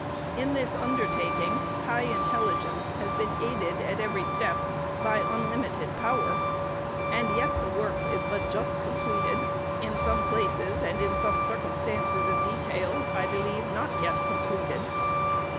In this undertaking, high intelligence has been aided, at every step, by unlimited power ; and yet the work is but just completed ;— in some places and in some circum stances of detail, I believe, not yet completed.